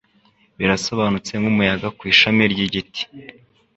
Birasobanutse nkumuyaga ku ishami ry igiti